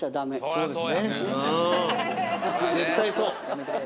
そうです。